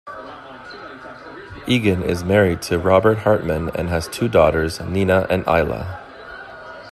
Egan is married to Robert Hartmann and has two daughters, Nina and Isla.